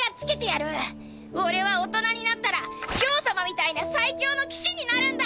俺は大人になったらキョウ様みたいな最強の騎士になるんだ！